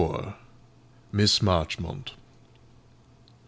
MISS MARCHMONT.